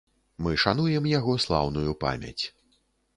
Мы шануем яго слаўную памяць.